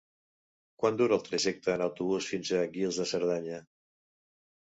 Quant dura el trajecte en autobús fins a Guils de Cerdanya?